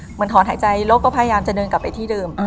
เหมือนถอนหายใจแล้วก็พยายามจะเดินกลับไปที่เดิม